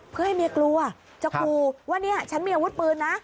เพื่อให้เมียกลัวจะครูว่าเนี่ยฉันมีอาวุธปืนนะ